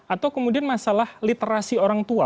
atau kemudian masalah literasi orang tua